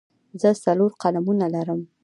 زه څلور قلمونه لرم.